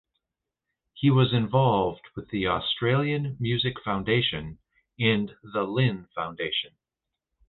He was involved with the Australian Music Foundation and The Lynn Foundation.